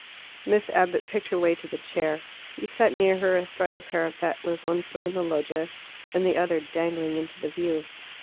Miss Abbott picked her way to the chair. He sat near her, astride the parapet, with one foot in the loggia and the other dangling into the view.